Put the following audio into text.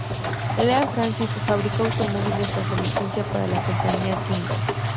Lea-Francis fabricó automóviles bajo licencia para la compañía Singer.